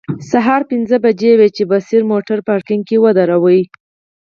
سهار پنځه بجې وې چې بصیر موټر پارکینګ کې ودراوه.